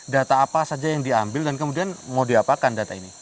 data apa saja yang diambil dan kemudian mau diapakan data ini